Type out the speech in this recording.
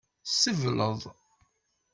Sebleḍ.